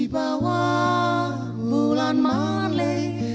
paun yang lama dumping